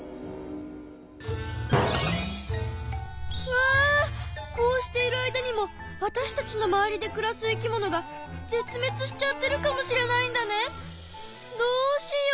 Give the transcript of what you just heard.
わこうしている間にもわたしたちの周りでくらす生き物が絶滅しちゃってるかもしれないんだね。どうしよう。